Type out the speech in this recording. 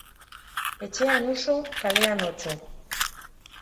Etxean uso, kalean otso.